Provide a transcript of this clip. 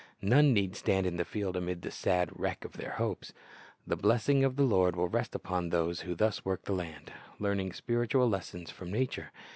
None need stand in the field amid the sad wreck of their hopes. The blessing of the Lord will rest upon those who thus work the land, learning spiritual lessons from nature.